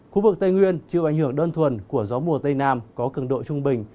khu vực tây nguyên chịu ảnh hưởng đơn thuần của gió mùa tây nam có cường độ trung bình